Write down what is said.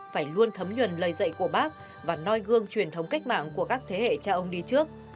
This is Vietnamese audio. phải luôn thấm nhuần lời dạy của bác và noi gương truyền thống cách mạng của các thế hệ cha ông đi trước